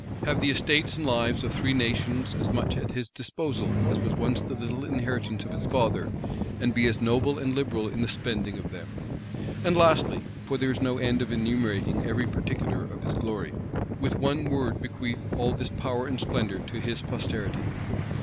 Have the estates and lives of three nations as much at his disposal as was once the little inheritance of his father, and be as noble and liberal in the spending of them? And lastly, (for there is no end of enumerating every particular of his glory,) with one word bequeath all this power and splendor to his posterity?